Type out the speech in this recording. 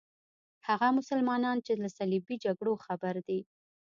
هغه مسلمانان چې له صلیبي جګړو خبر دي.